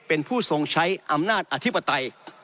เป็นผู้ทรงใช้อำนาจอธิปไตย